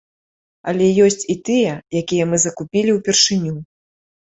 Але ёсць і тыя, якія мы закупілі упершыню.